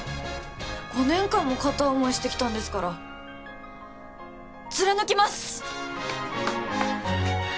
５年間も片思いしてきたんですから貫きます！